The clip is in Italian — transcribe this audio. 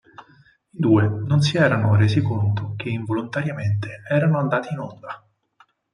I due non si erano resi conto che involontariamente erano andati in onda.